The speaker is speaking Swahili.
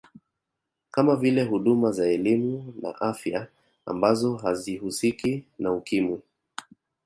Kama vile huduma za elimu na afya ambazo hazihusiki na Ukimwi